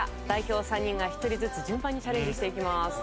代表３人が１人ずつ順番にチャレンジしていきます。